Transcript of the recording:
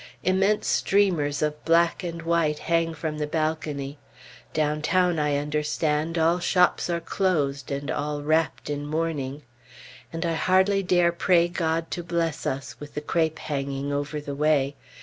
Immense streamers of black and white hang from the balcony. Downtown, I understand, all shops are closed, and all wrapped in mourning. And I hardly dare pray God to bless us, with the crape hanging over the way.